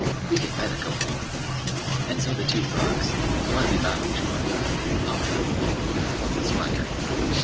We had better go home." And so the two frogs, politely bowing to one another, hopped off home with an important swagger.